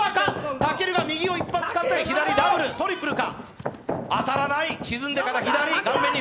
武尊が右を一発使った、ダブル、トリプルか？